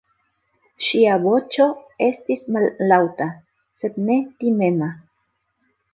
Ŝia voĉo estis mallaŭta, sed ne timema.